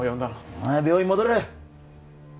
お前は病院戻れ。